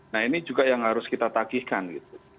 nah ini juga yang harus kita tagihkan gitu